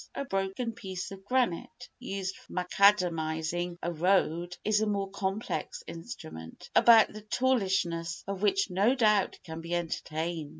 A broken piece of granite used for macadamising a road is a more complex instrument, about the toolishness of which no doubt can be entertained.